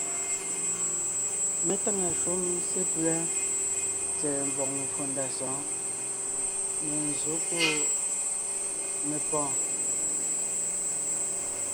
Mé táŋa shúm sepʉ́a tsɛ̀ɛ mvɔ̀g mvfò ndá sɔ̌ɔn: menzsǒ pɔ́ mepɔ̀ɔn.